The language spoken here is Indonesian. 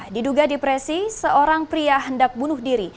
diduga depresi seorang pria hendak bunuh diri